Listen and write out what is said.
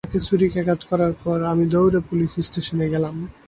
তাকে ছুরিকাঘাত করার পর, আমি দৌড়ে পুলিশ স্টেশনে গেলাম।